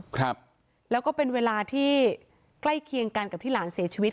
ครับแล้วก็เป็นเวลาที่ใกล้เคียงกันกับที่หลานเสียชีวิต